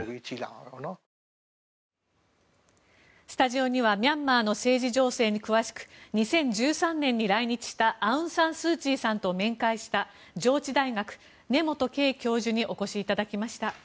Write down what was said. スタジオにはミャンマーの政治情勢に詳しく２０１３年に来日したアウン・サン・スー・チーさんと面会した上智大学、根本敬教授にお越しいただきました。